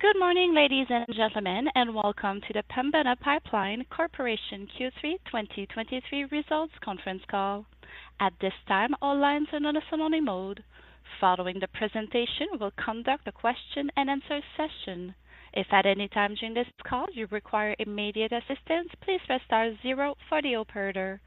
Good morning, ladies and gentlemen, and welcome to the Pembina Pipeline Corporation Q3 2023 Results Conference Call. At this time, all lines are in a listen-only mode. Following the presentation, we'll conduct a question-and-answer session. If at any time during this call you require immediate assistance, please press star zero for the operator.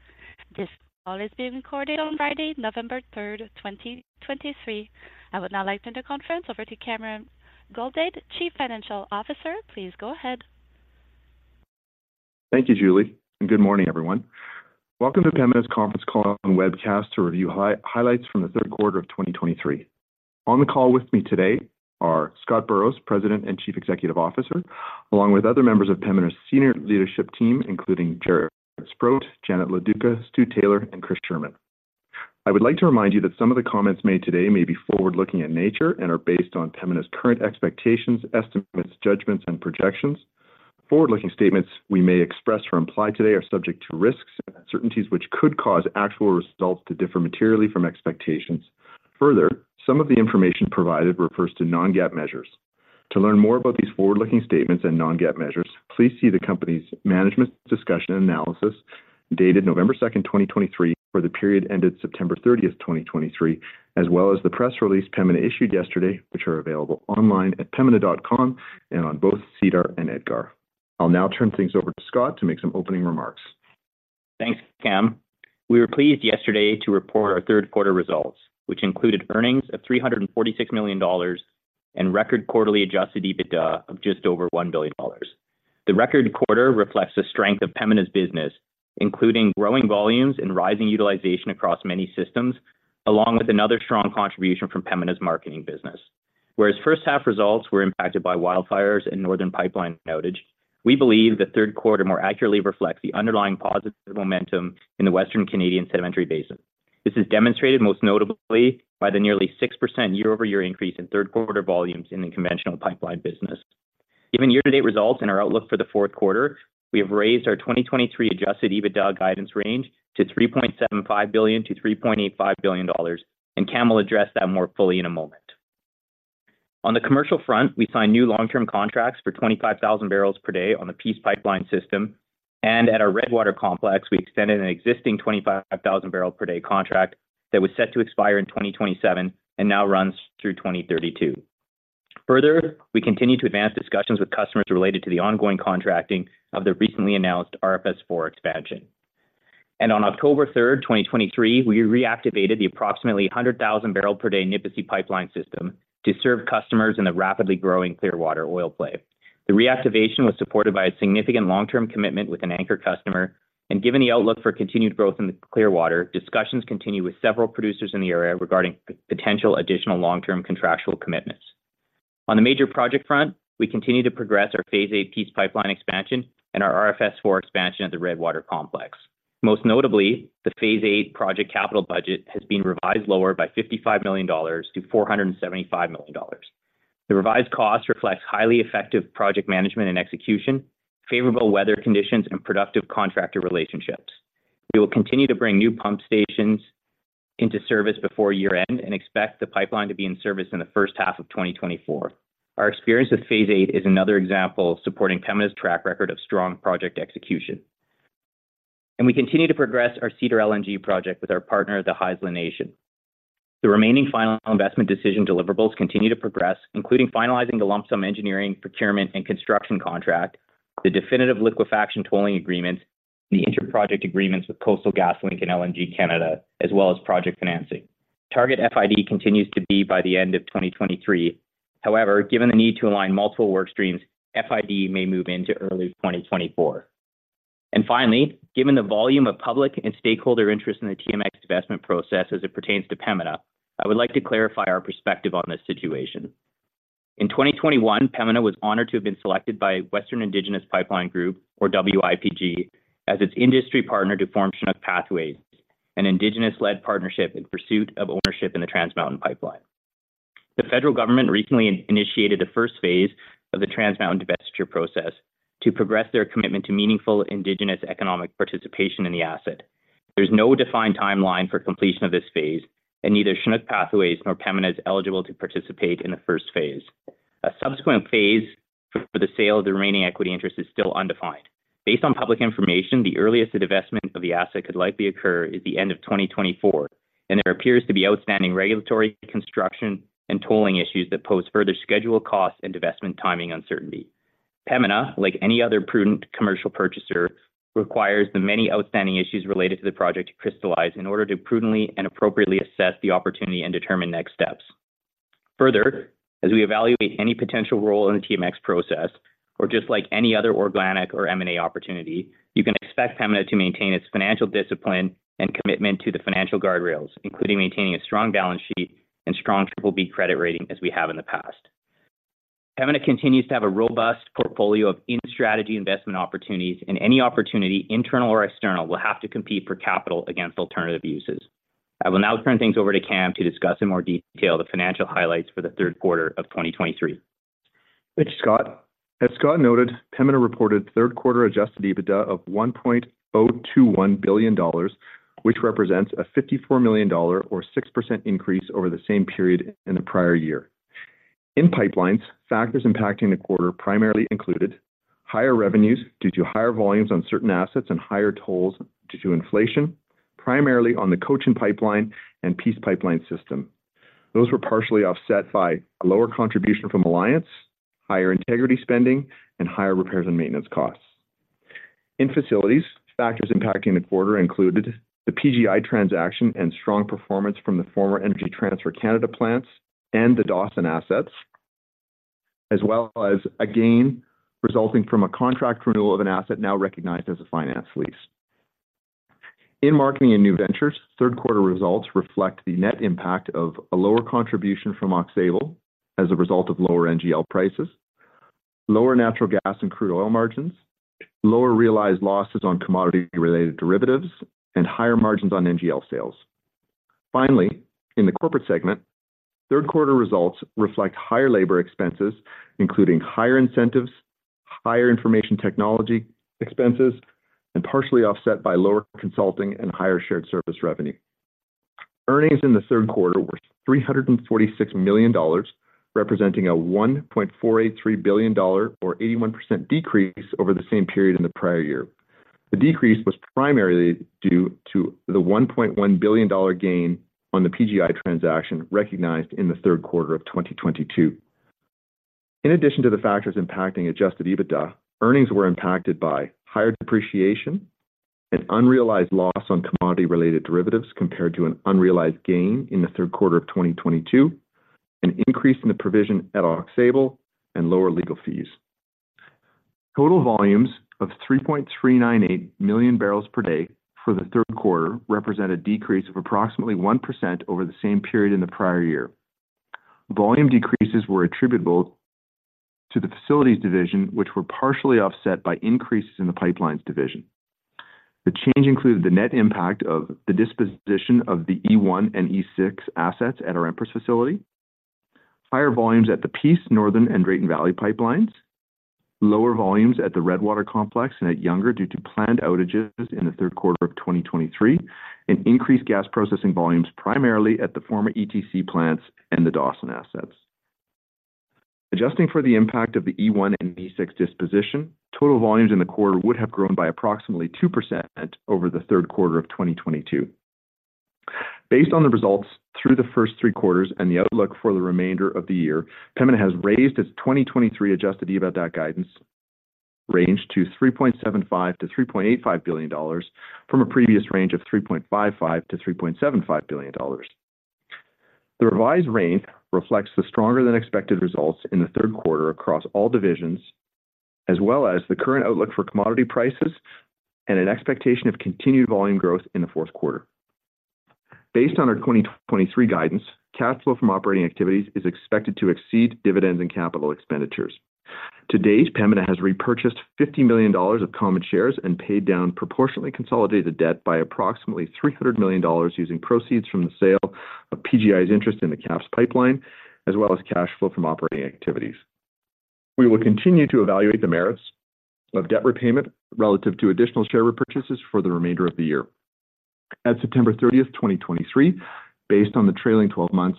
This call is being recorded on Friday, November 3rd, 2023. I would now like to turn the conference over to Cameron Goldade, Chief Financial Officer. Please go ahead. Thank you, Julie, and good morning, everyone. Welcome to Pembina's Conference Call and Webcast to Review Highlights from the Third Quarter of 2023. On the call with me today are Scott Burrows, President and Chief Executive Officer, along with other members of Pembina's senior leadership team, including Jaret Sprott, Janet Loduca, Stu Taylor, and Chris Scherman. I would like to remind you that some of the comments made today may be forward-looking in nature and are based on Pembina's current expectations, estimates, judgments, and projections. Forward-looking statements we may express or imply today are subject to risks and uncertainties, which could cause actual results to differ materially from expectations. Further, some of the information provided refers to non-GAAP measures. To learn more about these forward-looking statements and non-GAAP measures, please see the company's management's discussion and analysis dated November 2nd, 2023, for the period ended September 30th, 2023, as well as the press release Pembina issued yesterday, which are available online at pembina.com and on both SEDAR and EDGAR. I'll now turn things over to Scott to make some opening remarks. Thanks, Cam. We were pleased yesterday to report our third quarter results, which included earnings of 346 million dollars and record quarterly Adjusted EBITDA of just over 1 billion dollars. The record quarter reflects the strength of Pembina's business, including growing volumes and rising utilization across many systems, along with another strong contribution from Pembina's marketing business. Whereas first half results were impacted by wildfires and northern pipeline outage, we believe the third quarter more accurately reflects the underlying positive momentum in the Western Canadian Sedimentary Basin. This is demonstrated most notably by the nearly 6% year-over-year increase in third quarter volumes in the conventional pipeline business. Given year-to-date results and our outlook for the fourth quarter, we have raised our 2023 Adjusted EBITDA guidance range to 3.75 billion-3.85 billion dollars, and Cam will address that more fully in a moment. On the commercial front, we signed new long-term contracts for 25,000 barrels per day on the Peace Pipeline system, and at our Redwater Complex, we extended an existing 25,000 barrel per day contract that was set to expire in 2027 and now runs through 2032. Further, we continue to advance discussions with customers related to the ongoing contracting of the recently announced RFS IV expansion. On October 3rd, 2023, we reactivated the approximately 100,000 barrel per day Nipisi Pipeline system to serve customers in the rapidly growing Clearwater Oil Play. The reactivation was supported by a significant long-term commitment with an anchor customer, and given the outlook for continued growth in the Clearwater, discussions continue with several producers in the area regarding potential additional long-term contractual commitments. On the major project front, we continue to progress our Phase VIII Peace Pipeline expansion and our RFS IV expansion at the Redwater Complex. Most notably, the Phase VIII project capital budget has been revised lower by 55 million dollars to 475 million dollars. The revised cost reflects highly effective project management and execution, favorable weather conditions, and productive contractor relationships. We will continue to bring new pump stations into service before year-end and expect the pipeline to be in service in the first half of 2024. Our experience with Phase VIII is another example of supporting Pembina's track record of strong project execution. We continue to progress our Cedar LNG project with our partner, the Haisla Nation. The remaining Final Investment Decision deliverables continue to progress, including finalizing the lump sum engineering, procurement, and construction contract, the definitive liquefaction tolling agreement, the interproject agreements with Coastal GasLink and LNG Canada, as well as project financing. Target FID continues to be by the end of 2023. However, given the need to align multiple work streams, FID may move into early 2024. And finally, given the volume of public and stakeholder interest in the TMX divestment process as it pertains to Pembina, I would like to clarify our perspective on this situation. In 2021, Pembina was honored to have been selected by Western Indigenous Pipeline Group, or WIPG, as its industry partner to form Chinook Pathways, an Indigenous-led partnership in pursuit of ownership in the Trans Mountain Pipeline. The federal government recently initiated the phase I of the Trans Mountain divestiture process to progress their commitment to meaningful Indigenous economic participation in the asset. There's no defined timeline for completion of this phase, and neither Chinook Pathways nor Pembina is eligible to participate in the phase I. A subsequent phase for the sale of the remaining equity interest is still undefined. Based on public information, the earliest the divestment of the asset could likely occur is the end of 2024, and there appears to be outstanding regulatory, construction, and tolling issues that pose further schedule, cost, and divestment timing uncertainty. Pembina, like any other prudent commercial purchaser, requires the many outstanding issues related to the project to crystallize in order to prudently and appropriately assess the opportunity and determine next steps. Further, as we evaluate any potential role in the TMX process, or just like any other organic or M&A opportunity, you can expect Pembina to maintain its financial discipline and commitment to the financial guardrails, including maintaining a strong balance sheet and strong BBB credit rating as we have in the past. Pembina continues to have a robust portfolio of in-strategy investment opportunities, and any opportunity, internal or external, will have to compete for capital against alternative uses. I will now turn things over to Cam to discuss in more detail the financial highlights for the third quarter of 2023. Thanks, Scott. As Scott noted, Pembina reported third quarter Adjusted EBITDA of 1.021 billion dollars, which represents a 54 million dollar or 6% increase over the same period in the prior year. In pipelines, factors impacting the quarter primarily included: higher revenues due to higher volumes on certain assets and higher tolls due to inflation, primarily on the Cochin Pipeline and Peace Pipeline system. Those were partially offset by lower contribution from Alliance, higher integrity spending and higher repairs and maintenance costs. In facilities, factors impacting the quarter included the PGI transaction and strong performance from the former Energy Transfer Canada plants and the Dawson assets, as well as a gain resulting from a contract renewal of an asset now recognized as a finance lease. In marketing and new ventures, third quarter results reflect the net impact of a lower contribution from Aux Sable as a result of lower NGL prices, lower natural gas and crude oil margins, lower realized losses on commodity-related derivatives, and higher margins on NGL sales. Finally, in the corporate segment, third quarter results reflect higher labor expenses, including higher incentives, higher information technology expenses, and partially offset by lower consulting and higher shared service revenue. Earnings in the third quarter were 346 million dollars, representing a 1.483 billion dollar or 81% decrease over the same period in the prior year. The decrease was primarily due to the 1.1 billion dollar gain on the PGI transaction recognized in the third quarter of 2022. In addition to the factors impacting Adjusted EBITDA, earnings were impacted by higher depreciation, an unrealized loss on commodity-related derivatives compared to an unrealized gain in the third quarter of 2022, an increase in the provision at Aux Sable, and lower legal fees. Total volumes of 3.398 million barrels per day for the third quarter represent a decrease of approximately 1% over the same period in the prior year. Volume decreases were attributable to the facilities division, which were partially offset by increases in the pipelines division. The change included the net impact of the disposition of the E1 and E6 assets at our Empress facility, higher volumes at the Peace, Northern, and Drayton Valley pipelines, lower volumes at the Redwater Complex and at Younger due to planned outages in the third quarter of 2023, and increased gas processing volumes, primarily at the former ETC plants and the Dawson assets. Adjusting for the impact of the E1 and E6 disposition, total volumes in the quarter would have grown by approximately 2% over the third quarter of 2022. Based on the results through the first three quarters and the outlook for the remainder of the year, Pembina has raised its 2023 Adjusted EBITDA guidance range to 3.75 billion-3.85 billion dollars, from a previous range of 3.55 billion-3.75 billion dollars. The revised range reflects the stronger than expected results in the third quarter across all divisions, as well as the current outlook for commodity prices and an expectation of continued volume growth in the fourth quarter. Based on our 2023 guidance, cash flow from operating activities is expected to exceed dividends and capital expenditures. To date, Pembina has repurchased 50 million dollars of common shares and paid down proportionately consolidated debt by approximately 300 million dollars, using proceeds from the sale of PGI's interest in the KAPS Pipeline, as well as cash flow from operating activities. We will continue to evaluate the merits of debt repayment relative to additional share repurchases for the remainder of the year. At September 30th, 2023, based on the trailing twelve months,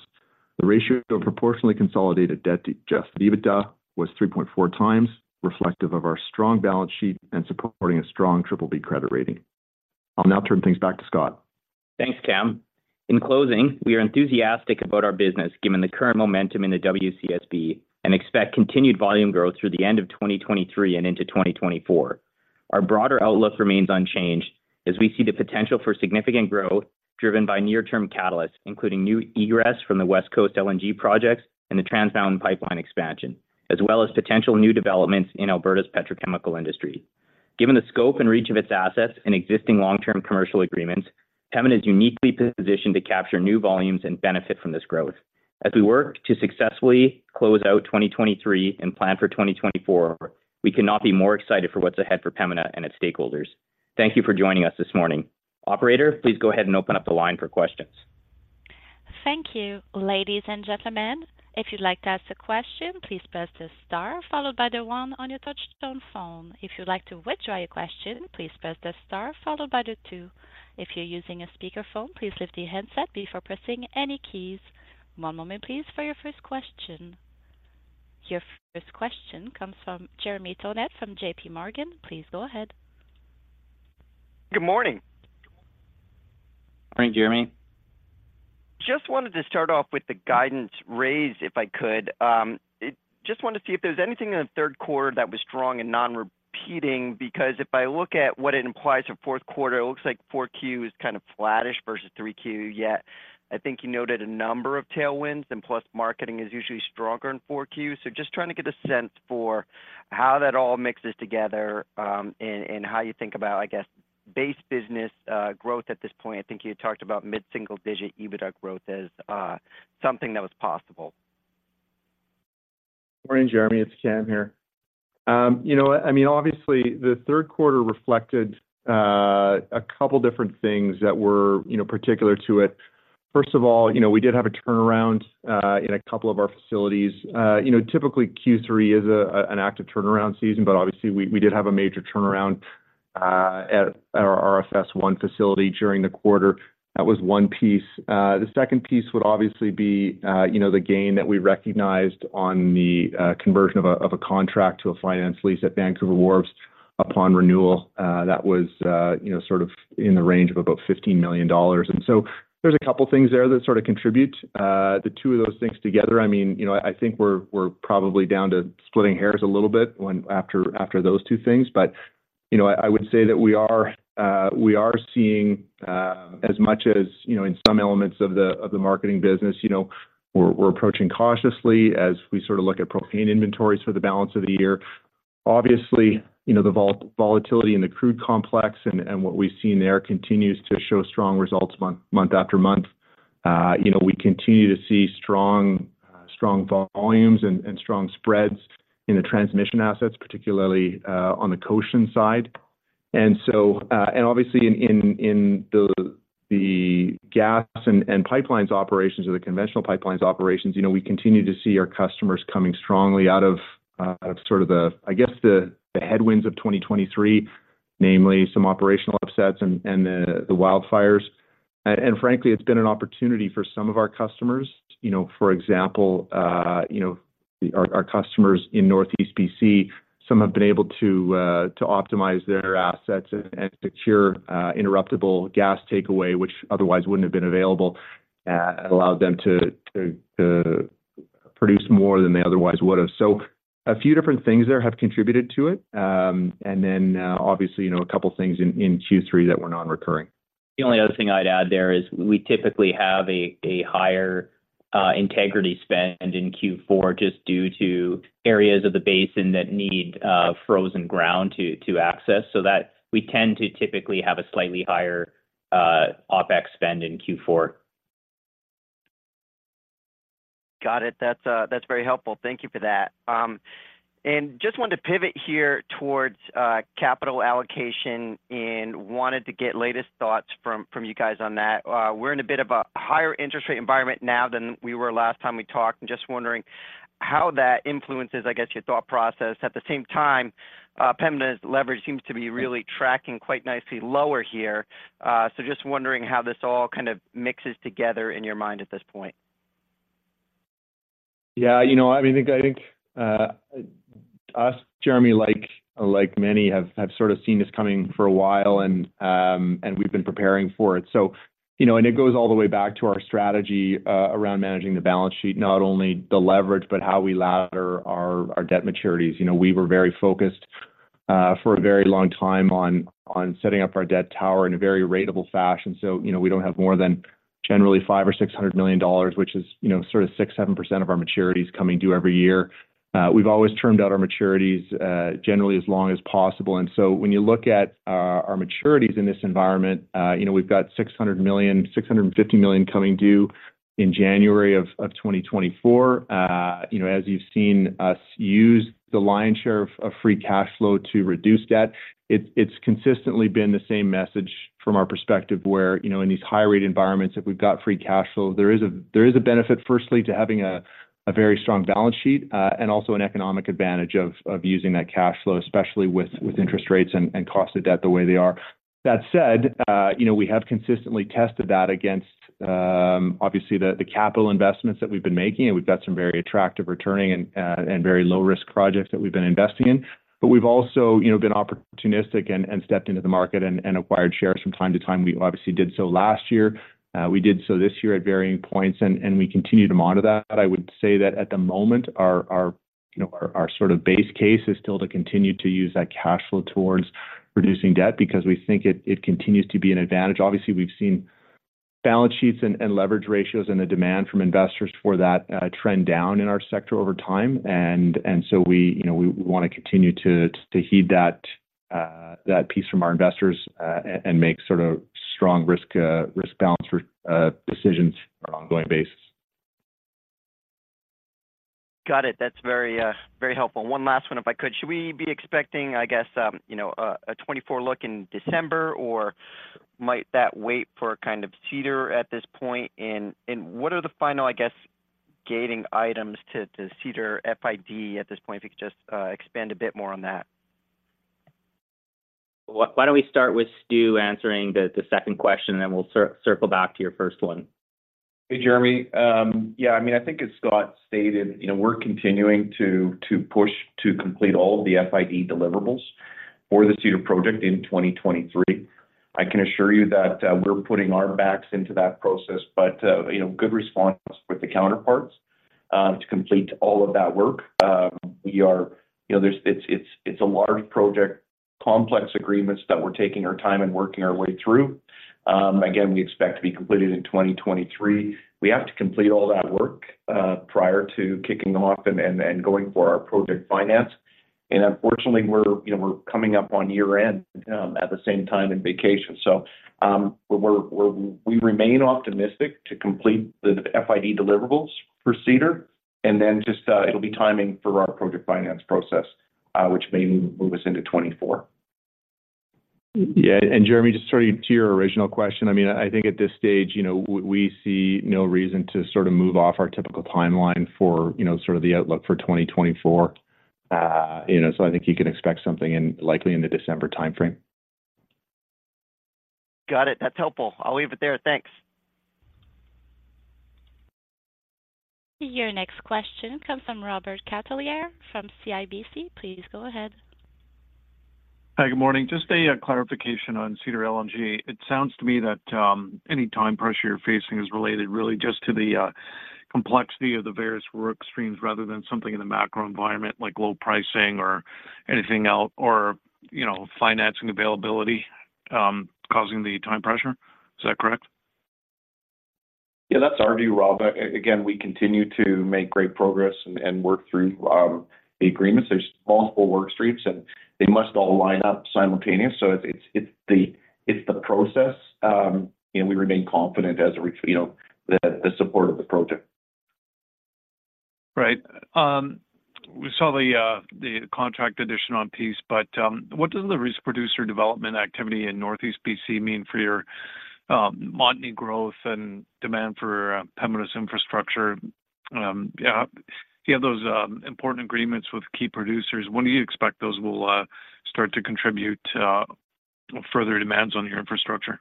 the ratio of proportionately consolidated debt to Adjusted EBITDA was 3.4 times, reflective of our strong balance sheet and supporting a strong BBB Credit Rating. I'll now turn things back to Scott. Thanks, Cam. In closing, we are enthusiastic about our business, given the current momentum in the WCSB, and expect continued volume growth through the end of 2023 and into 2024. Our broader outlook remains unchanged as we see the potential for significant growth driven by near-term catalysts, including new egress from the West Coast LNG projects and the Trans Mountain pipeline expansion, as well as potential new developments in Alberta's petrochemical industry. Given the scope and reach of its assets and existing long-term commercial agreements, Pembina is uniquely positioned to capture new volumes and benefit from this growth. As we work to successfully close out 2023 and plan for 2024, we cannot be more excited for what's ahead for Pembina and its stakeholders. Thank you for joining us this morning. Operator, please go ahead and open up the line for questions. Thank you. Ladies and gentlemen, if you'd like to ask a question, please press the star followed by the one on your touchtone phone. If you'd like to withdraw your question, please press the star followed by the two. If you're using a speakerphone, please lift your handset before pressing any keys. One moment please, for your first question. Your first question comes from Jeremy Tonet from JPMorgan. Please go ahead. Good morning. Morning, Jeremy. Just wanted to start off with the guidance raised, if I could. Just wanted to see if there's anything in the third quarter that was strong and non-repeating, because if I look at what it implies for fourth quarter, it looks like 4Q is kind of flattish versus 3Q, yet I think you noted a number of tailwinds, and plus, marketing is usually stronger in 4Q. So just trying to get a sense for how that all mixes together, and how you think about, I guess, base business growth at this point. I think you had talked about mid-single digit EBITDA growth as something that was possible. Morning, Jeremy, it's Cam here. You know what? I mean, obviously, the third quarter reflected a couple different things that were, you know, particular to it. First of all, you know, we did have a turnaround in a couple of our facilities. You know, typically Q3 is an active turnaround season, but obviously we did have a major turnaround at our RFS I facility during the quarter. That was one piece. The second piece would obviously be, you know, the gain that we recognized on the conversion of a contract to a finance lease at Vancouver Wharves upon renewal. That was, you know, sort of in the range of about 15 million dollars. And so there's a couple things there that sort of contribute. The two of those things together, I mean, you know, I think we're probably down to splitting hairs a little bit when—after those two things. But, you know, I would say that we are seeing as much as, you know, in some elements of the marketing business. You know, we're approaching cautiously as we sort of look at propane inventories for the balance of the year. Obviously, you know, the volatility in the crude complex and what we've seen there continues to show strong results month after month. You know, we continue to see strong volumes and strong spreads in the transmission assets, particularly on the coast side. And so... And obviously in the gas and pipelines operations or the conventional pipelines operations, you know, we continue to see our customers coming strongly out of sort of the, I guess, the headwinds of 2023, namely some operational upsets and the wildfires. And frankly, it's been an opportunity for some of our customers. You know, for example, you know, our customers in Northeast BC, some have been able to optimize their assets and secure interruptible gas takeaway, which otherwise wouldn't have been available and allowed them to produce more than they otherwise would have. So a few different things there have contributed to it. And then, obviously, you know, a couple things in Q3 that were non-recurring. The only other thing I'd add there is we typically have a higher integrity spend in Q4, just due to areas of the basin that need frozen ground to access, so that we tend to typically have a slightly higher OpEx spend in Q4. Got it. That's very helpful. Thank you for that. Just wanted to pivot here towards capital allocation and wanted to get latest thoughts from you guys on that. We're in a bit of a higher interest rate environment now than we were last time we talked. I'm just wondering how that influences, I guess, your thought process. At the same time, permanent leverage seems to be really tracking quite nicely lower here. Just wondering how this all kind of mixes together in your mind at this point. Yeah, you know, I mean, I think, us, Jeremy, like, like many, have, have sort of seen this coming for a while, and, and we've been preparing for it. So, you know, and it goes all the way back to our strategy, around managing the balance sheet, not only the leverage, but how we ladder our, our debt maturities. You know, we were very focused, for a very long time on, on setting up our debt tower in a very ratable fashion. So, you know, we don't have more than generally 500 million or 600 million dollars, which is, you know, sort of 6%-7% of our maturities coming due every year. We've always termed out our maturities, generally as long as possible. When you look at our maturities in this environment, you know, we've got 600 million, 650 million coming due in January of 2024. You know, as you've seen us use the lion's share of free cash flow to reduce debt, it's consistently been the same message from our perspective, where, you know, in these high-rate environments, if we've got free cash flow, there is a benefit, firstly to having a very strong balance sheet, and also an economic advantage of using that cash flow, especially with interest rates and cost of debt the way they are. That said, you know, we have consistently tested that against, obviously, the capital investments that we've been making, and we've got some very attractive returning and very low-risk projects that we've been investing in. But we've also, you know, been opportunistic and stepped into the market and acquired shares from time to time. We obviously did so last year. We did so this year at varying points, and we continue to monitor that. I would say that at the moment, our you know our sort of base case is still to continue to use that cash flow towards reducing debt because we think it continues to be an advantage. Obviously, we've seen balance sheets and leverage ratios and the demand from investors for that, trend down in our sector over time. So, you know, we want to continue to heed that piece from our investors and make sort of strong risk-balance decisions on an ongoing basis. Got it. That's very, very helpful. One last one, if I could. Should we be expecting, I guess, you know, a, a 2024 look in December, or might that wait for a kind of Cedar at this point? And, and what are the final, I guess, gating items to, to Cedar FID at this point? If you could just, expand a bit more on that. Why don't we start with Stu answering the second question, and then we'll circle back to your first one. Hey, Jeremy. Yeah, I mean, I think as Scott stated, you know, we're continuing to push to complete all of the FID deliverables for the Cedar project in 2023. I can assure you that we're putting our backs into that process, but you know, good response with the counterparts to complete all of that work. You know, it's a large project, complex agreements that we're taking our time and working our way through. Again, we expect to be completed in 2023. We have to complete all that work prior to kicking off and going for our project finance. And unfortunately, we're, you know, we're coming up on year-end at the same time in vacation. So, we remain optimistic to complete the FID deliverables for Cedar, and then just, it'll be timing for our project finance process, which may move us into 2024.... Yeah, and Jeremy, just sort of to your original question, I mean, I think at this stage, you know, we, we see no reason to sort of move off our typical timeline for, you know, sort of the outlook for 2024. You know, so I think you can expect something in, likely in the December timeframe. Got it. That's helpful. I'll leave it there. Thanks. Your next question comes from Robert Catellier from CIBC. Please go ahead. Hi, good morning. Just a clarification on Cedar LNG. It sounds to me that any time pressure you're facing is related really just to the complexity of the various work streams rather than something in the macro environment, like low pricing or anything else, or, you know, financing availability causing the time pressure. Is that correct? Yeah, that's our view, Rob. Again, we continue to make great progress and work through the agreements. There's multiple work streams, and they must all line up simultaneous. So it's the process, and we remain confident as a result, you know, the support of the project. Right. We saw the contract addition on Peace, but what does the recent producer development activity in Northeast B.C. mean for your Montney growth and demand for Pembina's infrastructure? Yeah, you have those important agreements with key producers. When do you expect those will start to contribute further demands on your infrastructure?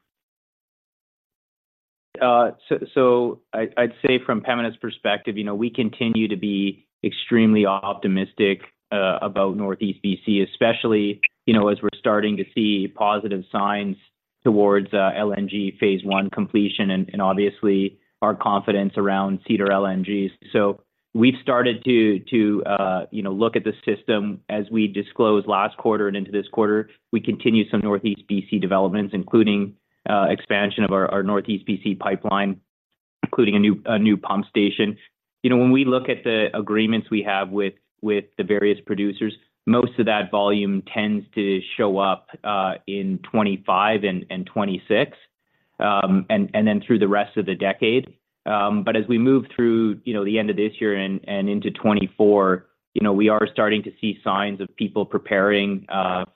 So I'd say from Pembina's perspective, you know, we continue to be extremely optimistic about Northeast B.C., especially, you know, as we're starting to see positive signs towards LNG Phase One completion and obviously our confidence around Cedar LNG's. So we've started to you know look at the system. As we disclosed last quarter and into this quarter, we continue some Northeast B.C. developments, including expansion of our Northeast B.C. pipeline, including a new pump station. You know, when we look at the agreements we have with the various producers, most of that volume tends to show up in 2025 and 2026 and then through the rest of the decade. But as we move through, you know, the end of this year and into 2024, you know, we are starting to see signs of people preparing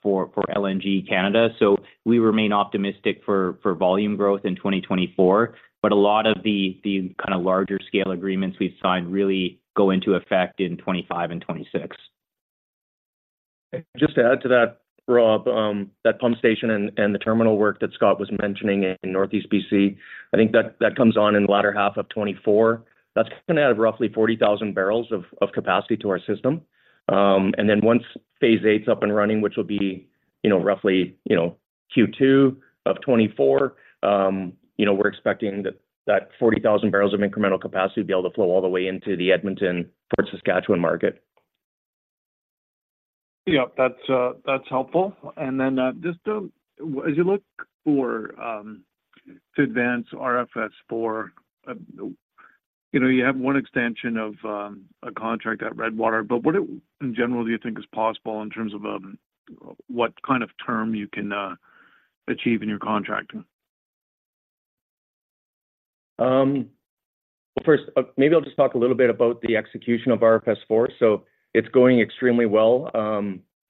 for LNG Canada. So we remain optimistic for volume growth in 2024, but a lot of the kind of larger scale agreements we've signed really go into effect in 2025 and 2026. Just to add to that, Rob, that pump station and the terminal work that Scott was mentioning in Northeast B.C., I think that comes on in the latter half of 2024. That's gonna add roughly 40,000 barrels of capacity to our system. And then once Phase VIII is up and running, which will be, you know, roughly, you know, Q2 of 2024, you know, we're expecting that 40,000 barrels of incremental capacity to be able to flow all the way into the Edmonton, Port Saskatchewan market. Yeah, that's, that's helpful. And then, just, as you look for, to advance RFS IV, you know, you have one extension of, a contract at Redwater, but what it-- in general, do you think is possible in terms of, what kind of term you can, achieve in your contracting? Well, first, maybe I'll just talk a little bit about the execution of RFS IV. So it's going extremely well.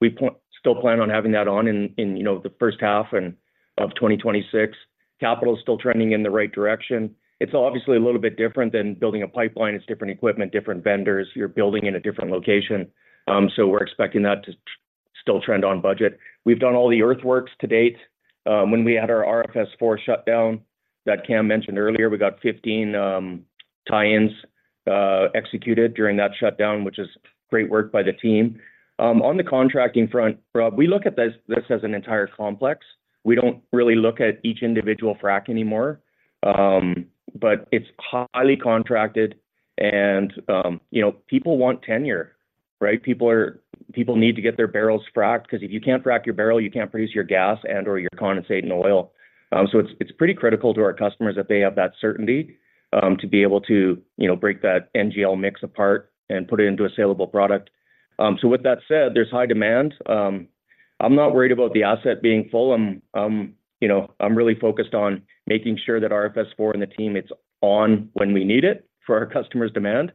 We still plan on having that on in, you know, the first half of 2026. Capital is still trending in the right direction. It's obviously a little bit different than building a pipeline. It's different equipment, different vendors. You're building in a different location. So we're expecting that to still trend on budget. We've done all the earthworks to date. When we had our RFS IV shutdown that Cam mentioned earlier, we got 15 tie-ins executed during that shutdown, which is great work by the team. On the contracting front, Rob, we look at this as an entire complex. We don't really look at each individual frac anymore, but it's highly contracted and, you know, people want tenure, right? People need to get their barrels frac'd, because if you can't frac your barrel, you can't produce your gas and/or your condensate and oil. So it's pretty critical to our customers that they have that certainty, to be able to, you know, break that NGL mix apart and put it into a salable product. So with that said, there's high demand. I'm not worried about the asset being full. I'm, you know, really focused on making sure that RFS IV and the team is on when we need it for our customers' demand,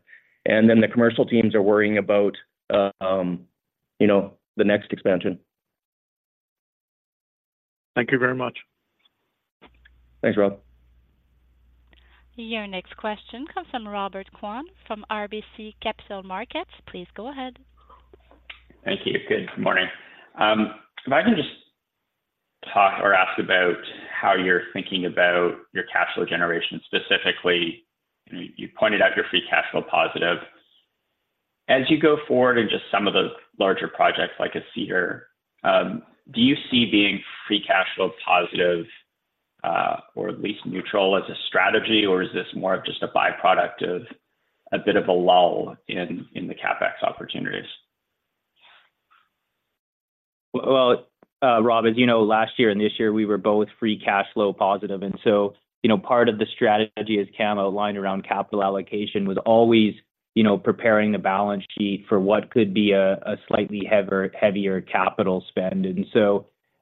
and then the commercial teams are worrying about, you know, the next expansion. Thank you very much. Thanks, Rob. Your next question comes from Robert Kwan from RBC Capital Markets. Please go ahead. Thank you. Good morning. If I can just talk or ask about how you're thinking about your cash flow generation, specifically, you pointed out you're free cash flow positive. As you go forward in just some of the larger projects, like a Cedar, do you see being free cash flow positive, or at least neutral as a strategy, or is this more of just a byproduct of a bit of a lull in the CapEx opportunities? Well, Rob, as you know, last year and this year, we were both free cash flow positive. And so, you know, part of the strategy, as Cam outlined around capital allocation, was always, you know, preparing the balance sheet for what could be a slightly heavier capital spend. And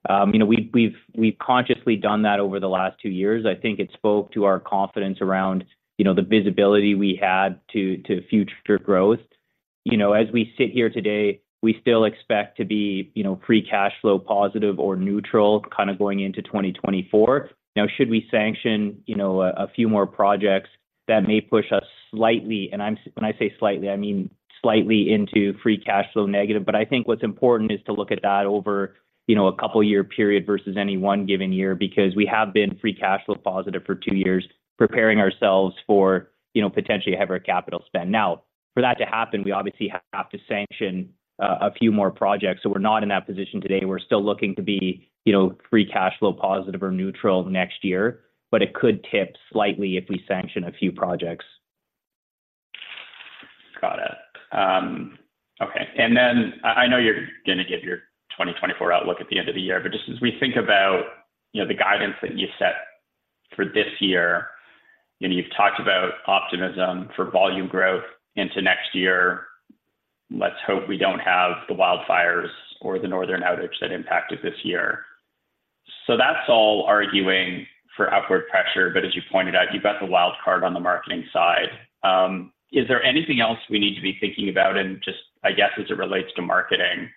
so, you know, we've consciously done that over the last two years. I think it spoke to our confidence around, you know, the visibility we had to future growth... you know, as we sit here today, we still expect to be, you know, free cash flow positive or neutral, kind of going into 2024. Now, should we sanction, you know, a few more projects, that may push us slightly, and when I say slightly, I mean slightly into free cash flow negative. I think what's important is to look at that over, you know, a couple year period versus any one given year, because we have been free cash flow positive for two years, preparing ourselves for, you know, potentially a heavier capital spend. Now, for that to happen, we obviously have to sanction a few more projects, so we're not in that position today. We're still looking to be, you know, free cash flow positive or neutral next year, but it could tip slightly if we sanction a few projects. Got it. Okay. And then I know you're gonna give your 2024 outlook at the end of the year, but just as we think about, you know, the guidance that you set for this year, and you've talked about optimism for volume growth into next year, let's hope we don't have the wildfires or the northern outage that impacted this year. So that's all arguing for upward pressure, but as you pointed out, you've got the wild card on the marketing side. Is there anything else we need to be thinking about? And just, I guess, as it relates to marketing,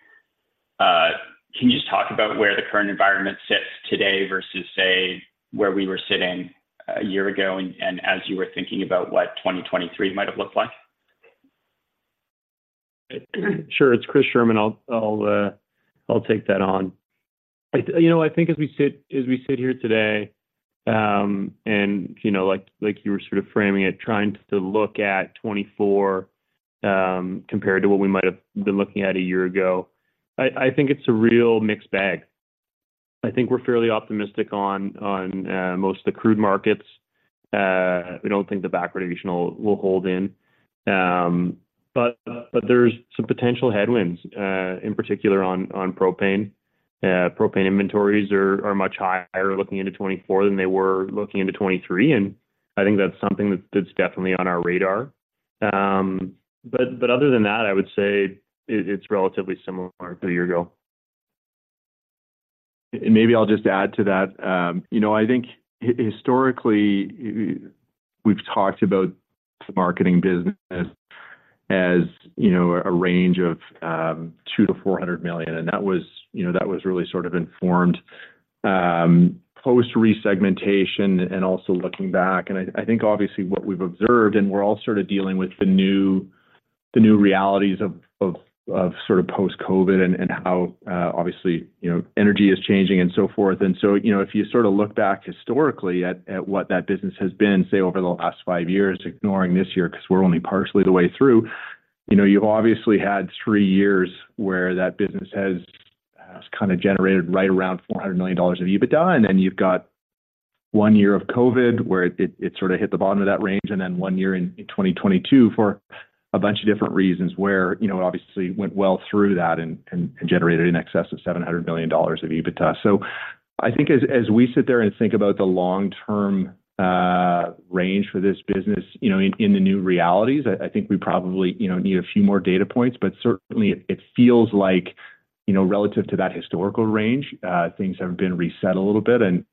can you just talk about where the current environment sits today versus, say, where we were sitting a year ago, and as you were thinking about what 2023 might have looked like? Sure. It's Chris Scherman. I'll take that on. I, you know, I think as we sit here today, and, you know, like you were sort of framing it, trying to look at 2024, compared to what we might have been looking at a year ago, I think it's a real mixed bag. I think we're fairly optimistic on most of the crude markets. We don't think the backwardation will hold in. But there's some potential headwinds, in particular on propane. Propane inventories are much higher looking into 2024 than they were looking into 2023, and I think that's something that's definitely on our radar. But other than that, I would say it's relatively similar to a year ago. And maybe I'll just add to that. You know, I think historically, we've talked about the marketing business as, you know, a range of 200 million-400 million, and that was, you know, that was really sort of informed post-resegmentation and also looking back. And I think obviously what we've observed, and we're all sort of dealing with the new realities of post-COVID and how obviously, you know, energy is changing and so forth. So, you know, if you sort of look back historically at what that business has been, say, over the last five years, ignoring this year, because we're only partially the way through, you know, you've obviously had three years where that business has kind of generated right around 400 million dollars of EBITDA, and then you've got one year of COVID, where it sort of hit the bottom of that range, and then one year in 2022 for a bunch of different reasons, where, you know, it obviously went well through that and generated in excess of 700 million dollars of EBITDA. So I think as we sit there and think about the long-term range for this business, you know, in the new realities, I think we probably, you know, need a few more data points, but certainly it feels like, you know, relative to that historical range, things have been reset a little bit and,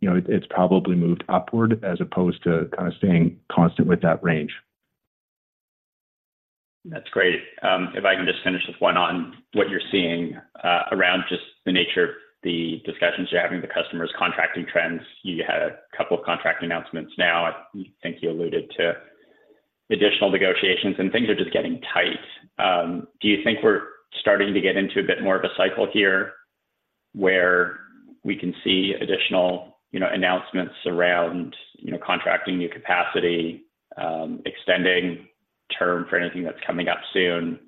you know, it's probably moved upward as opposed to kind of staying constant with that range. That's great. If I can just finish with one on what you're seeing around just the nature of the discussions you're having with the customers, contracting trends. You had a couple of contract announcements now. I think you alluded to additional negotiations, and things are just getting tight. Do you think we're starting to get into a bit more of a cycle here, where we can see additional, you know, announcements around, you know, contracting new capacity, extending term for anything that's coming up soon,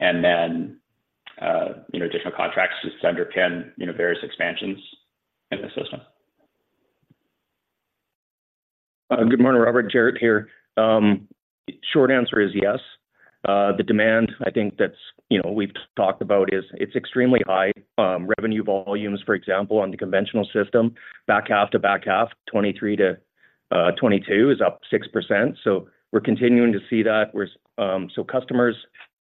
and then, you know, additional contracts just to underpin, you know, various expansions in the system? Good morning, Robert. Jaret here. Short answer is yes. The demand, I think that's, you know, we've talked about is it's extremely high. Revenue volumes, for example, on the conventional system, back half to back half, 2023-2022, is up 6%. So we're continuing to see that. So customers,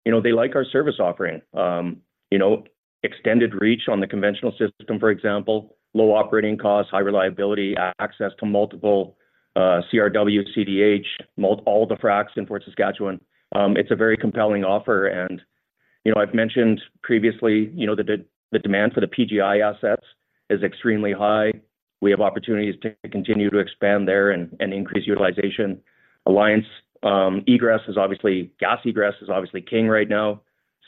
you know, they like our service offering. You know, extended reach on the conventional system, for example, low operating costs, high reliability, access to multiple, CRW, CDH, all the fracs in Fort Saskatchewan. It's a very compelling offer, and, you know, I've mentioned previously, you know, the demand for the PGI assets is extremely high. We have opportunities to continue to expand there and increase utilization. Alliance, egress is obviously gas egress is obviously king right now,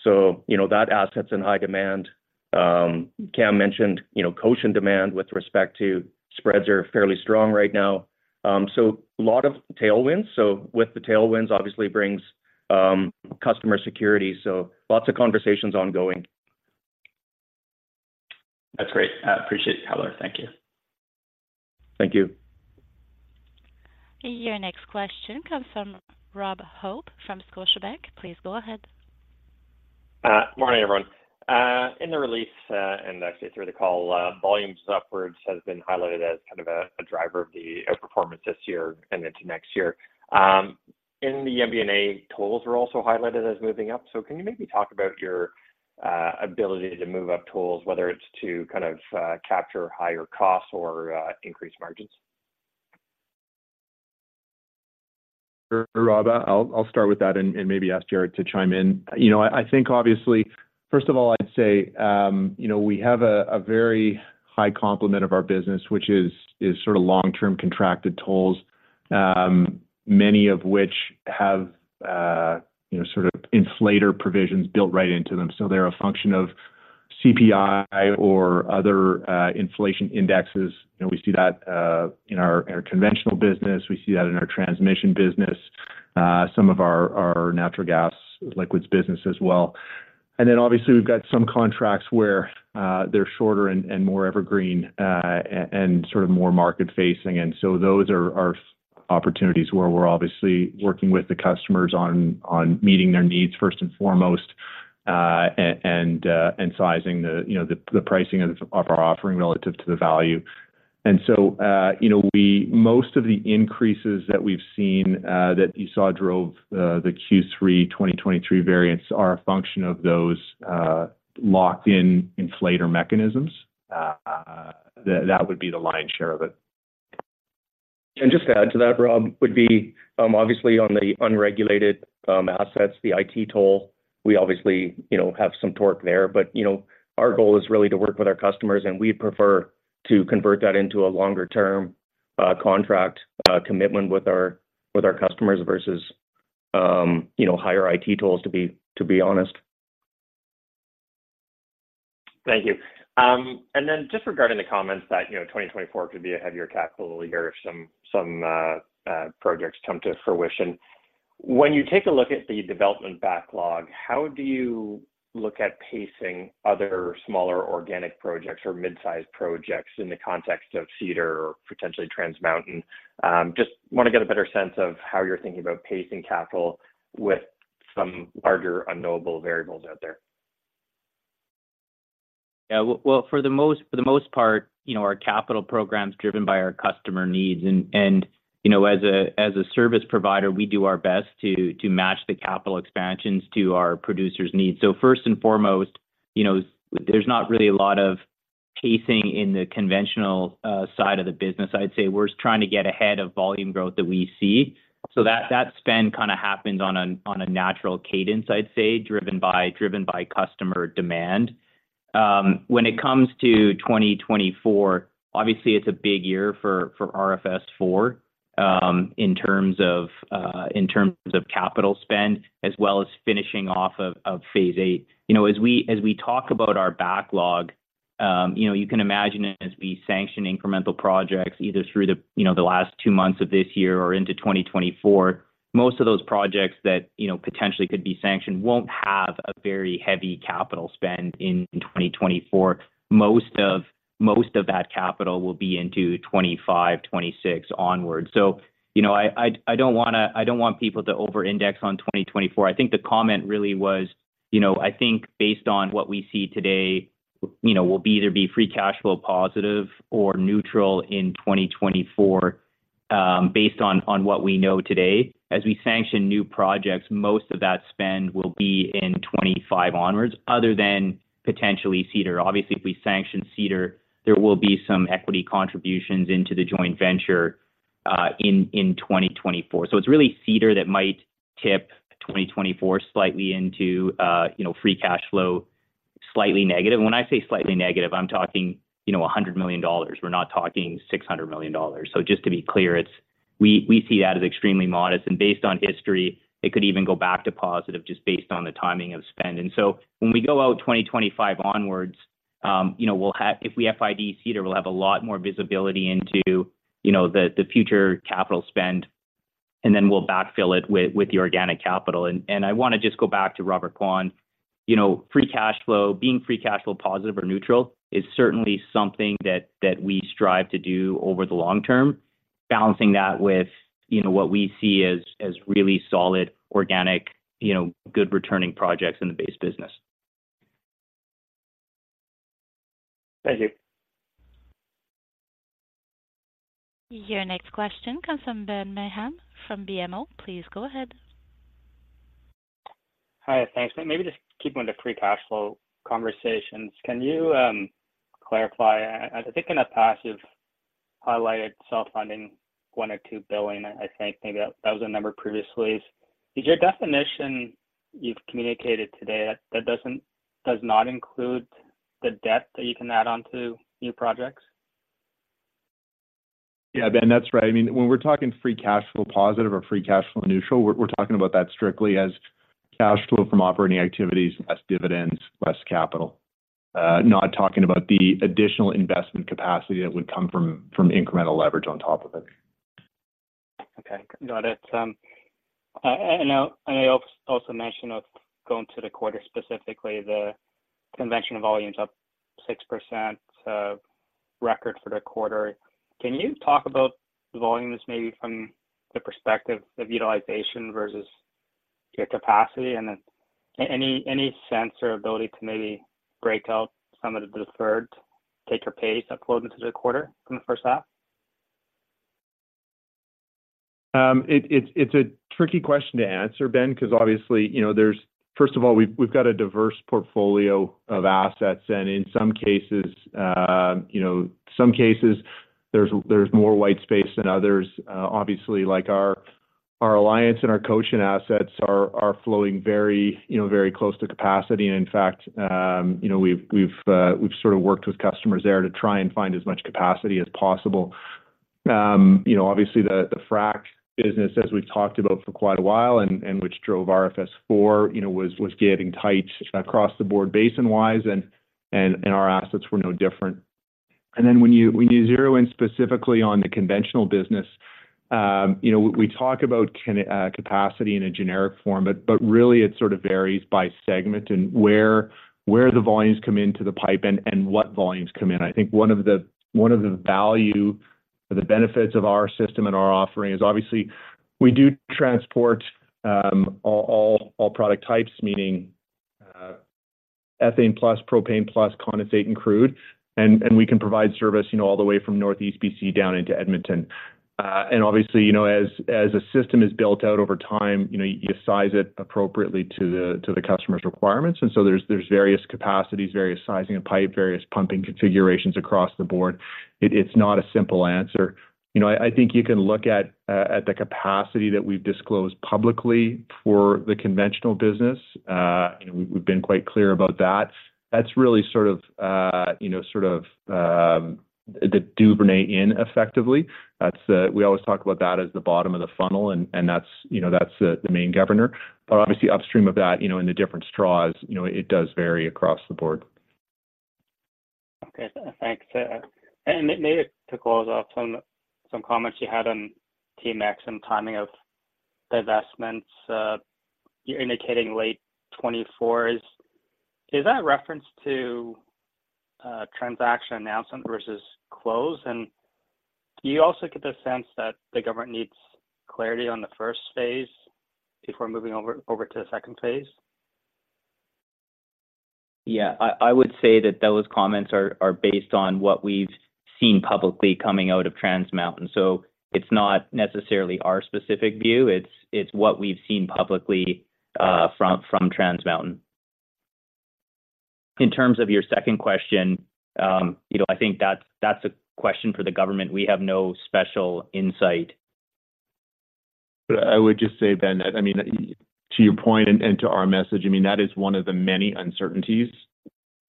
so, you know, that asset's in high demand. Cam mentioned, you know, cautious demand with respect to spreads are fairly strong right now. So a lot of tailwinds. So with the tailwinds, obviously brings customer security, so lots of conversations ongoing. That's great. I appreciate the color. Thank you. Thank you. Your next question comes from Rob Hope, from Scotiabank. Please go ahead. Morning, everyone. In the release, and actually through the call, volumes upwards has been highlighted as kind of a driver of the outperformance this year and into next year. In the MD&A, tolls were also highlighted as moving up. So can you maybe talk about your ability to move up tolls, whether it's to kind of capture higher costs or increase margins? Rob, I'll start with that and maybe ask Jaret to chime in. You know, I think obviously, first of all, I'd say, you know, we have a very high complement of our business, which is sort of long-term contracted tolls, many of which have, you know, sort of inflator provisions built right into them. So they're a function of CPI or other inflation indexes. And we see that in our conventional business, we see that in our transmission business, some of our natural gas liquids business as well. And then obviously, we've got some contracts where they're shorter and more evergreen and sort of more market-facing. And so those are opportunities where we're obviously working with the customers on meeting their needs first and foremost, and sizing the, you know, the pricing of our offering relative to the value. And so, you know, we most of the increases that we've seen, that you saw drove the Q3 2023 variants are a function of those locked-in inflator mechanisms. That would be the lion's share of it. And just to add to that, Rob, would be obviously on the unregulated assets, the IT toll, we obviously, you know, have some torque there. But, you know, our goal is really to work with our customers, and we prefer to convert that into a longer-term contract commitment with our customers versus, you know, higher IT tolls, to be honest. Thank you. And then just regarding the comments that, you know, 2024 could be a heavier capital year if some projects come to fruition. When you take a look at the development backlog, how do you look at pacing other smaller organic projects or mid-sized projects in the context of Cedar or potentially Trans Mountain? Just want to get a better sense of how you're thinking about pacing capital with some larger unknowable variables out there. Yeah. Well, for the most part, you know, our capital program is driven by our customer needs. And, you know, as a service provider, we do our best to match the capital expansions to our producers' needs. So first and foremost, you know, there's not really a lot of pacing in the conventional side of the business. I'd say we're trying to get ahead of volume growth that we see. So that spend kind of happens on a natural cadence, I'd say, driven by customer demand. When it comes to 2024, obviously, it's a big year for RFS IV, in terms of capital spend, as well as finishing off of Phase VIII. You know, as we talk about our backlog, you know, you can imagine as we sanction incremental projects, either through the, you know, the last two months of this year or into 2024, most of those projects that, you know, potentially could be sanctioned won't have a very heavy capital spend in 2024. Most of that capital will be into 2025, 2026 onwards. So, you know, I don't want people to over index on 2024. I think the comment really was, you know, I think based on what we see today, you know, we'll either be free cash flow positive or neutral in 2024, based on what we know today. As we sanction new projects, most of that spend will be in 2025 onwards, other than potentially Cedar. Obviously, if we sanction Cedar, there will be some equity contributions into the joint venture in 2024. So it's really Cedar that might tip 2024 slightly into, you know, free cash flow, slightly negative. When I say slightly negative, I'm talking, you know, 100 million dollars. We're not talking 600 million dollars. So just to be clear, it's—we see that as extremely modest, and based on history, it could even go back to positive just based on the timing of spend. So when we go out 2025 onwards, you know, we'll have—if we FID Cedar, we'll have a lot more visibility into, you know, the future capital spend, and then we'll backfill it with the organic capital. And I want to just go back to Robert Kwan. You know, free cash flow, being free cash flow positive or neutral is certainly something that, that we strive to do over the long term, balancing that with, you know, what we see as, as really solid, organic, you know, good returning projects in the base business. Thank you. Your next question comes from Ben Pham from BMO. Please go ahead. Hi, thanks. Maybe just keeping with the free cash flow conversations, can you clarify, I, I think in the past, you've highlighted self-funding 1 billion-2 billion, I think. Maybe that was a number previously. Is your definition you've communicated today, that doesn't—does not include the debt that you can add on to new projects? Yeah, Ben, that's right. I mean, when we're talking free cash flow positive or free cash flow neutral, we're talking about that strictly as cash flow from operating activities, less dividends, less capital. Not talking about the additional investment capacity that would come from incremental leverage on top of it. Okay. Got it. And I also mentioned going to the quarter, specifically, the conventional volumes up 6%, record for the quarter. Can you talk about the volumes, maybe from the perspective of utilization versus your capacity? And then any sense or ability to maybe break out some of the third-party take-or-pay utilized in the quarter from the first half? It's a tricky question to answer, Ben, because obviously, you know, there's first of all, we've got a diverse portfolio of assets, and in some cases, you know, some cases there's more white space than others. Obviously, like our- Our Alliance and our Coaching assets are flowing very, you know, very close to capacity. And in fact, you know, we've sort of worked with customers there to try and find as much capacity as possible. You know, obviously, the frac business, as we've talked about for quite a while and which drove RFS IV, you know, was getting tight across the board basin-wise, and our assets were no different. And then when you zero in specifically on the conventional business, you know, we talk about capacity in a generic form, but really it sort of varies by segment and where the volumes come into the pipe and what volumes come in. I think one of the value or the benefits of our system and our offering is, obviously, we do transport all product types, meaning ethane plus, propane plus, condensate and crude, and we can provide service, you know, all the way from Northeast BC down into Edmonton. And obviously, you know, as a system is built out over time, you know, you size it appropriately to the customer's requirements, and so there's various capacities, various sizing of pipe, various pumping configurations across the board. It's not a simple answer. You know, I think you can look at the capacity that we've disclosed publicly for the conventional business, and we've been quite clear about that. That's really sort of, you know, sort of the Duvernay in effectively. That's, we always talk about that as the bottom of the funnel, and, and that's, you know, that's the, the main governor. But obviously, upstream of that, you know, in the different straws, you know, it does vary across the board. Okay. Thanks. And maybe to close off some comments you had on TMX and timing of the investments, you're indicating late 2024. Is that a reference to transaction announcement versus close? And do you also get the sense that the government needs clarity on the phase I before moving over to the phase II? Yeah. I, I would say that those comments are, are based on what we've seen publicly coming out of Trans Mountain. So it's not necessarily our specific view. It's, it's what we've seen publicly, from, from Trans Mountain. In terms of your second question, you know, I think that's, that's a question for the government. We have no special insight. But I would just say, Ben, that, I mean, to your point and to our message, I mean, that is one of the many uncertainties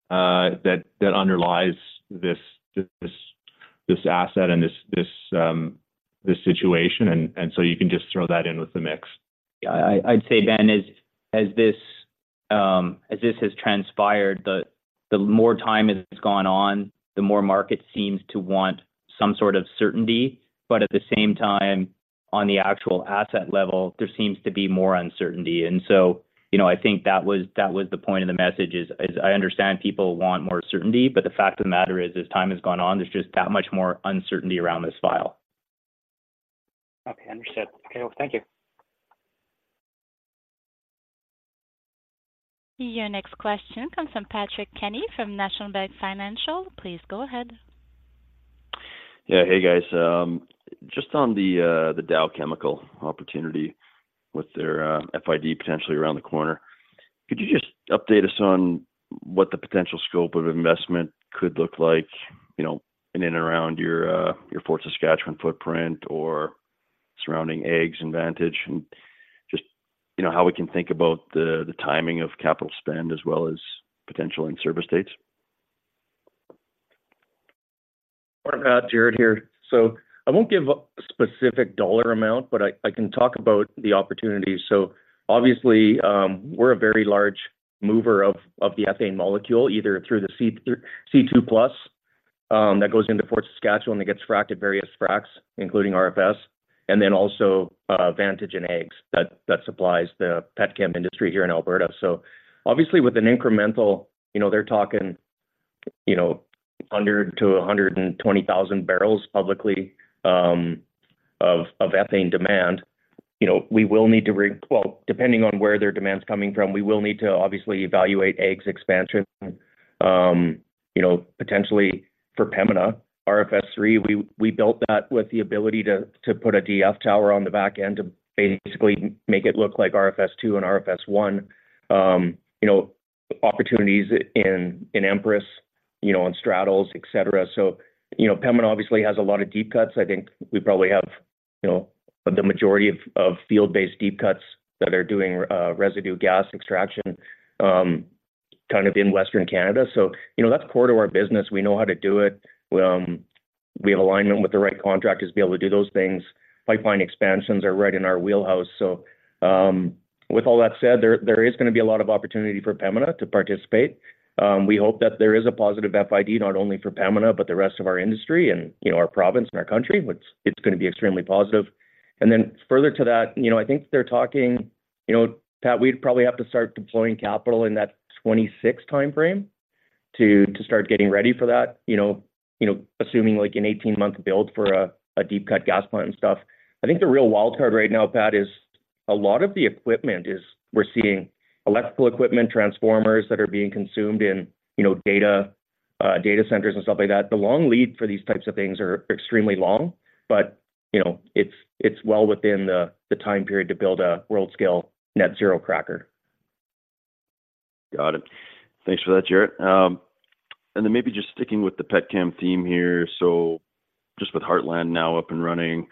that underlies this asset and this situation, and so you can just throw that in with the mix. I'd say, Ben, as this has transpired, the more time it's gone on, the more market seems to want some sort of certainty, but at the same time, on the actual asset level, there seems to be more uncertainty. And so, you know, I think that was the point of the message is I understand people want more certainty, but the fact of the matter is, as time has gone on, there's just that much more uncertainty around this file. Okay, understood. Okay, well, thank you. Your next question comes from Patrick Kenny from National Bank Financial. Please go ahead. Yeah. Hey, guys. Just on the Dow Chemical opportunity with their FID potentially around the corner, could you just update us on what the potential scope of investment could look like, you know, in and around your Fort Saskatchewan footprint or surrounding assets and advantage? And just, you know, how we can think about the timing of capital spend as well as potential in-service dates. Jaret here. So I won't give a specific dollar amount, but I, I can talk about the opportunity. So obviously, we're a very large mover of, of the ethane molecule, either through the C, C2 plus, that goes into Fort Saskatchewan and gets fracked at various fracs, including RFS, and then also, Vantage and Eggs that, that supplies the pet chem industry here in Alberta. So obviously, with an incremental, you know, they're talking, you know, 100-120,000 barrels publicly, of, of ethane demand. You know, we will need to, well, depending on where their demand is coming from, we will need to obviously evaluate AEGS expansion, you know, potentially for Pembina. RFS III, we built that with the ability to put a DF tower on the back end to basically make it look like RFS II and RFS I. You know, opportunities in Empress, you know, on straddles, etc. So, you know, Pembina obviously has a lot of deep cuts. I think we probably have, you know, the majority of field-based deep cuts that are doing residue gas extraction kind of in Western Canada. So, you know, that's core to our business. We know how to do it. We have alignment with the right contractors to be able to do those things. Pipeline expansions are right in our wheelhouse. So, with all that said, there is gonna be a lot of opportunity for Pembina to participate. We hope that there is a positive FID, not only for Pembina but the rest of our industry and, you know, our province and our country, which it's gonna be extremely positive. And then further to that, you know, I think they're talking, you know, Pat, we'd probably have to start deploying capital in that 2026 timeframe to, to start getting ready for that, you know, you know, assuming, like, an 18-month build for a, a deep cut gas plant and stuff. I think the real wild card right now, Pat, is a lot of the equipment is... We're seeing electrical equipment, transformers that are being consumed in, you know, data, data centers and stuff like that. The long lead for these types of things are extremely long, but, you know, it's, it's well within the, the time period to build a world-scale net zero cracker.... Got it. Thanks for that, Jaret. And then maybe just sticking with the Pembina theme here. So just with Heartland now up and running,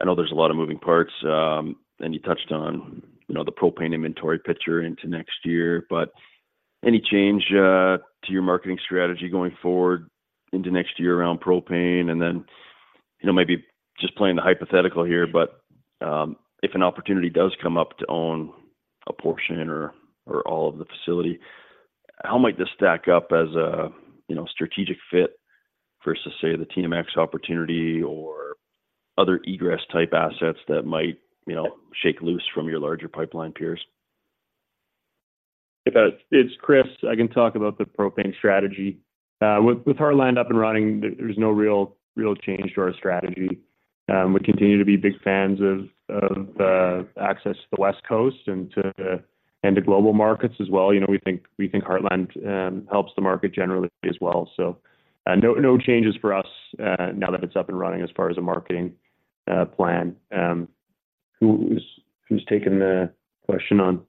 I know there's a lot of moving parts, and you touched on, you know, the propane inventory picture into next year. But any change to your marketing strategy going forward into next year around propane? And then, you know, maybe just playing the hypothetical here, but if an opportunity does come up to own a portion or all of the facility, how might this stack up as a, you know, strategic fit versus, say, the TMX opportunity or other egress type assets that might, you know, shake loose from your larger pipeline peers? It's Chris. I can talk about the propane strategy. With Heartland up and running, there's no real change to our strategy. We continue to be big fans of access to the West Coast and to global markets as well. You know, we think Heartland helps the market generally as well. So, no changes for us now that it's up and running as far as a marketing plan. Who's taking the question on?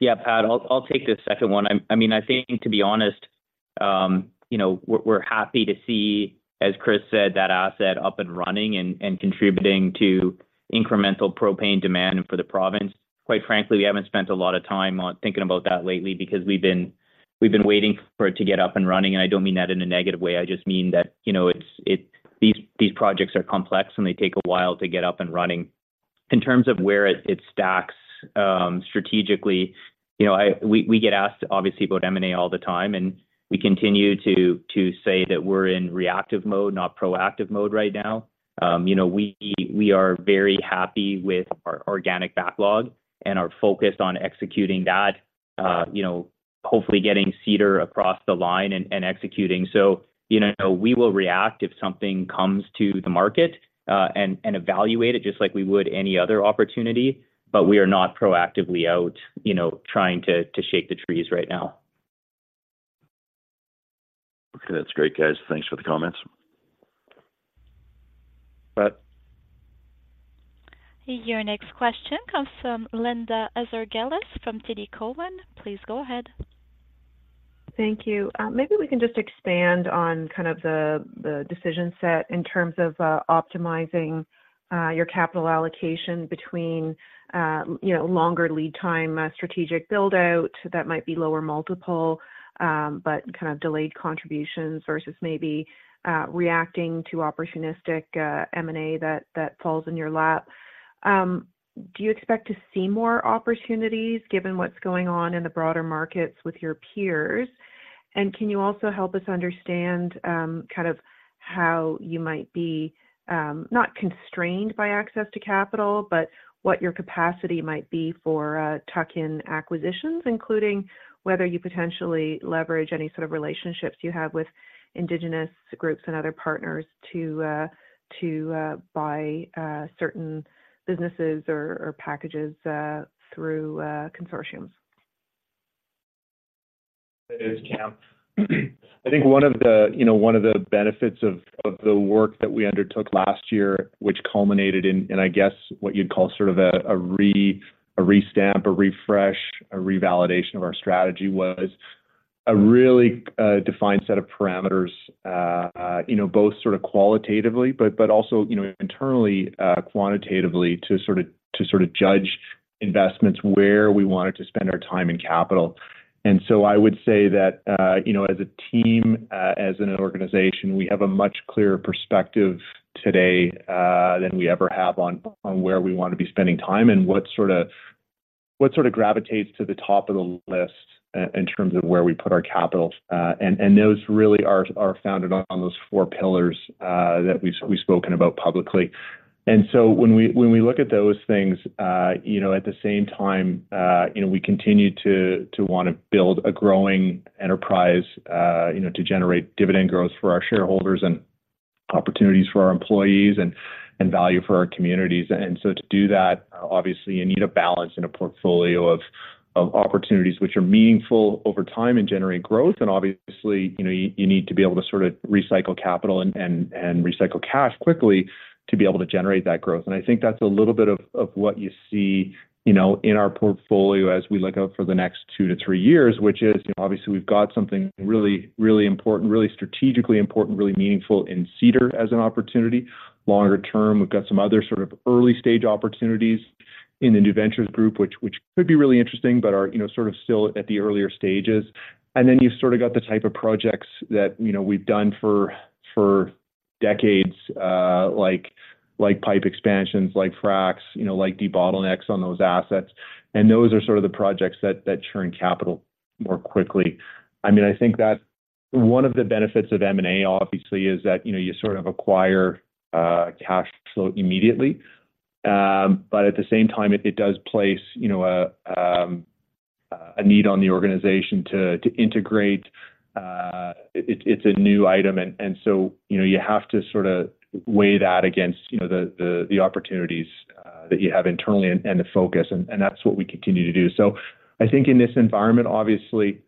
Yeah, Pat, I'll take the second one. I mean, I think, to be honest, you know, we're happy to see, as Chris said, that asset up and running and contributing to incremental propane demand for the province. Quite frankly, we haven't spent a lot of time on thinking about that lately because we've been waiting for it to get up and running. And I don't mean that in a negative way, I just mean that, you know, it's these projects are complex, and they take a while to get up and running. In terms of where it stacks strategically, you know, we get asked, obviously, about M&A all the time, and we continue to say that we're in reactive mode, not proactive mode right now. You know, we are very happy with our organic backlog and are focused on executing that, you know, hopefully getting Cedar across the line and executing. So, you know, we will react if something comes to the market, and evaluate it just like we would any other opportunity, but we are not proactively out, you know, trying to shake the trees right now. Okay, that's great, guys. Thanks for the comments. You bet. Your next question comes from Linda Ezergailis from TD Cowen. Please go ahead. Thank you. Maybe we can just expand on kind of the decision set in terms of optimizing your capital allocation between, you know, longer lead time strategic build-out. That might be lower multiple but kind of delayed contributions versus maybe reacting to opportunistic M&A that falls in your lap. Do you expect to see more opportunities given what's going on in the broader markets with your peers? And can you also help us understand kind of how you might be not constrained by access to capital, but what your capacity might be for tuck-in acquisitions, including whether you potentially leverage any sort of relationships you have with Indigenous groups and other partners to buy certain businesses or packages through consortiums? It is, Cam. I think one of the, you know, one of the benefits of the work that we undertook last year, which culminated in, I guess, what you'd call sort of a re-stamp, a refresh, a revalidation of our strategy, was a really defined set of parameters, you know, both sort of qualitatively, but also, you know, internally, quantitatively, to sort of judge investments where we wanted to spend our time and capital. So I would say that, you know, as a team, as an organization, we have a much clearer perspective today than we ever have on where we want to be spending time and what sort of gravitates to the top of the list in terms of where we put our capital. And those really are founded on those four pillars that we've spoken about publicly. And so when we look at those things, you know, at the same time, you know, we continue to want to build a growing enterprise, you know, to generate dividend growth for our shareholders and opportunities for our employees and value for our communities. And so to do that, obviously, you need a balance and a portfolio of opportunities which are meaningful over time and generate growth. And obviously, you know, you need to be able to sort of recycle capital and recycle cash quickly to be able to generate that growth. I think that's a little bit of what you see, you know, in our portfolio as we look out for the next 2-3 years, which is, obviously, we've got something really, really important, really strategically important, really meaningful in Cedar as an opportunity. Longer term, we've got some other sort of early-stage opportunities in the New Ventures Group, which could be really interesting, but are, you know, sort of still at the earlier stages. And then you've sort of got the type of projects that, you know, we've done for decades, like pipe expansions, like fracs, you know, like debottlenecks on those assets. And those are sort of the projects that churn capital more quickly. I mean, I think that one of the benefits of M&A, obviously, is that, you know, you sort of acquire cash flow immediately. But at the same time, it does place, you know, a need on the organization to integrate. It's a new item and so, you know, you have to sort of weigh that against, you know, the opportunities that you have internally and the focus, and that's what we continue to do. So I think in this environment, obviously,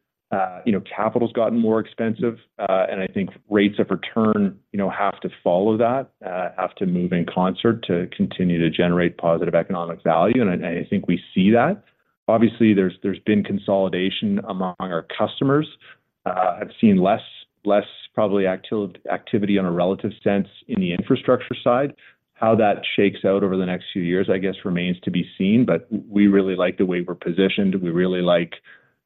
you know, capital's gotten more expensive, and I think rates of return, you know, have to follow that, have to move in concert to continue to generate positive economic value, and I think we see that. Obviously, there's been consolidation among our customers. I've seen less probably activity on a relative sense in the infrastructure side. How that shakes out over the next few years, I guess, remains to be seen, but we really like the way we're positioned. We really like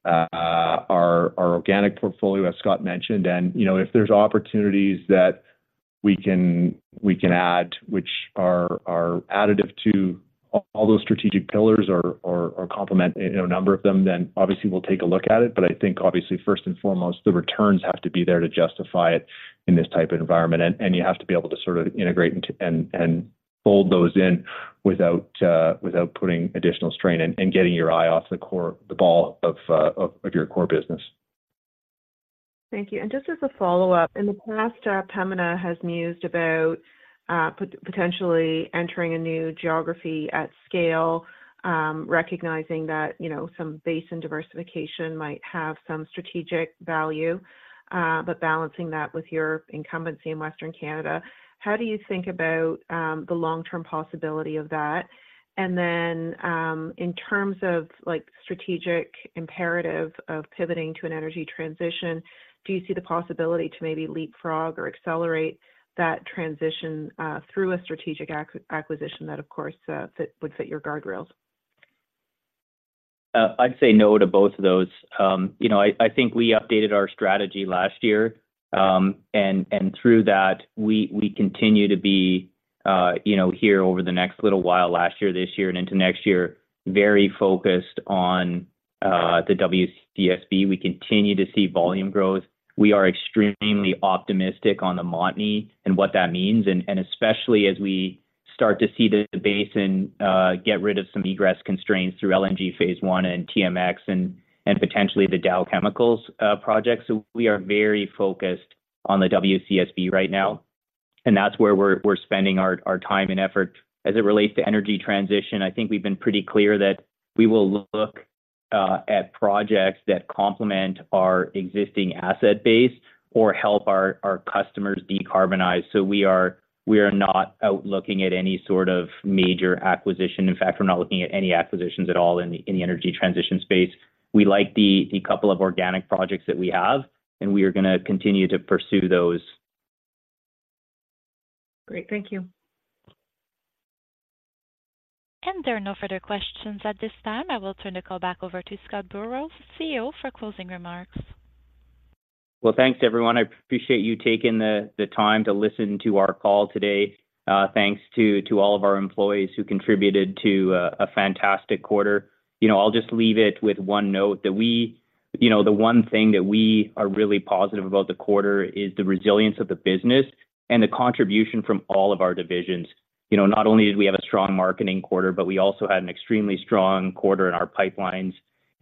our organic portfolio, as Scott mentioned. And, you know, if there's opportunities that we can add, which are additive to all those strategic pillars or complement, you know, a number of them, then obviously we'll take a look at it. But I think obviously, first and foremost, the returns have to be there to justify it in this type of environment. And you have to be able to sort of integrate into and fold those in without putting additional strain and getting your eye off the core, the ball of your core business. Thank you. And just as a follow-up, in the past, Pembina has mused about potentially entering a new geography at scale, recognizing that, you know, some basin diversification might have some strategic value, but balancing that with your incumbency in Western Canada. How do you think about the long-term possibility of that? And then, in terms of, like, strategic imperative of pivoting to an energy transition, do you see the possibility to maybe leapfrog or accelerate that transition through a strategic acquisition that, of course, would fit your guardrails? I'd say no to both of those. You know, I, I think we updated our strategy last year, and, and through that, we, we continue to be, you know, here over the next little while, last year, this year, and into next year, very focused on the WCSB. We continue to see volume growth. We are extremely optimistic on the Montney and what that means, and, and especially as we start to see the basin get rid of some egress constraints through LNG Phase One and TMX and, and potentially the Dow Chemical project. So we are very focused on the WCSB right now, and that's where we're, we're spending our time and effort. As it relates to energy transition, I think we've been pretty clear that we will look at projects that complement our existing asset base or help our customers decarbonize. So we are not out looking at any sort of major acquisition. In fact, we're not looking at any acquisitions at all in the energy transition space. We like the couple of organic projects that we have, and we are gonna continue to pursue those. Great. Thank you. There are no further questions at this time. I will turn the call back over to Scott Burrows, CEO, for closing remarks. Well, thanks, everyone. I appreciate you taking the time to listen to our call today. Thanks to all of our employees who contributed to a fantastic quarter. You know, I'll just leave it with one note: that we. You know, the one thing that we are really positive about the quarter is the resilience of the business and the contribution from all of our divisions. You know, not only did we have a strong marketing quarter, but we also had an extremely strong quarter in our pipelines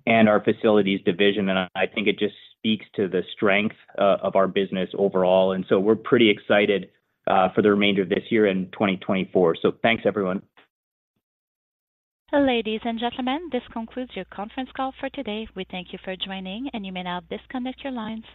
and our facilities division, and I think it just speaks to the strength of our business overall. And so we're pretty excited for the remainder of this year and 2024. So thanks, everyone. Ladies and gentlemen, this concludes your conference call for today. We thank you for joining, and you may now disconnect your lines.